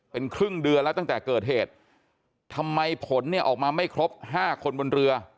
เป็นครึ่งเดือนแล้วตั้งแต่เกิดเหตุทำไมผลเนี่ยออกมาไม่ครบห้าคนบนเรือ